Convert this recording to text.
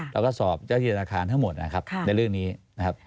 เราก็สอบเจ้าที่ธนาคารทั้งหมดนะครับในเรื่องนี้นะครับ